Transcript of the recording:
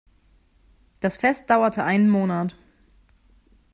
Das Fest dauerte einen Monat.